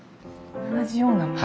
同じようなもの？